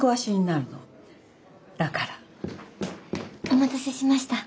お待たせしました。